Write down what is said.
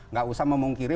gak usah memungkiri